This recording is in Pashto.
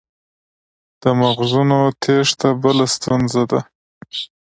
د مغزونو تیښته بله ستونزه ده.